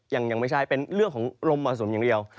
ยังไม่ใช่เป็นเรื่องของลมมรสุมอย่างเดียว